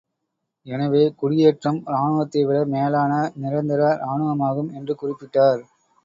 எனவே குடியேற்றம் இராணுவத்தைவிட மேலான நிரந்தர இராணுவமாகும் என்று குறிப்பிட்டார்.